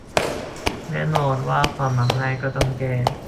แน่นอนว่าความมักง่ายก็ต้องแก้